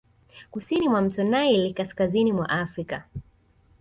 Kusini mwa mto Naili kaskazini mwa Afrika